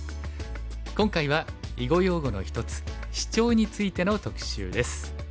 今回は囲碁用語の一つシチョウについての特集です。